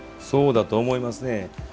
そうだと思いますね。